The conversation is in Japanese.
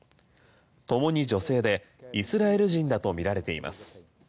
ともに女性でイスラエル人だとみられています。